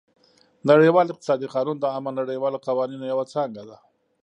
نړیوال اقتصادي قانون د عامه نړیوالو قوانینو یوه څانګه ده